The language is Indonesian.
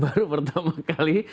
baru pertama kali